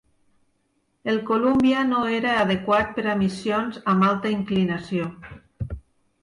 El Columbia no era adequat per a missions amb alta inclinació.